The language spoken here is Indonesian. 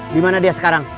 dimana dia sekarang